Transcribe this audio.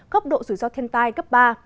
cấp độ rủi ro thiên tai cấp ba